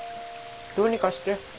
どうにかして。